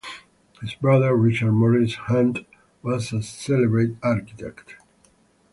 His brother Richard Morris Hunt was a celebrated architect.